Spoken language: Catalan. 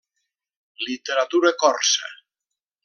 Literatura corsa.